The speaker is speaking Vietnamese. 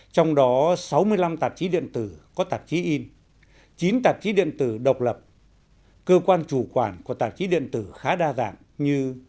trong đó sáu mươi năm tạp chí điện tử có tạp chí in chín tạp chí điện tử độc lập cơ quan chủ quản của tạp chí điện tử khá đa dạng như